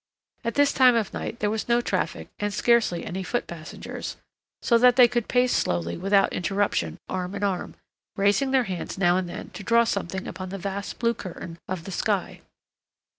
At this time of night there was no traffic and scarcely any foot passengers, so that they could pace slowly without interruption, arm in arm, raising their hands now and then to draw something upon the vast blue curtain of the sky.